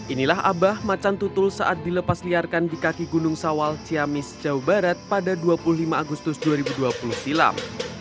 inilah abah macan tutul saat dilepas liarkan di kaki gunung sawal ciamis jawa barat pada dua puluh lima agustus dua ribu dua puluh silam